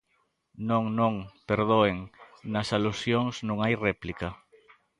Non, non, perdoen, nas alusións non hai réplica.